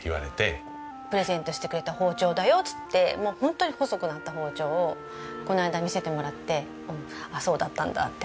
「プレゼントしてくれた包丁だよ」って言って本当に細くなった包丁をこの間見せてもらってあっそうだったんだって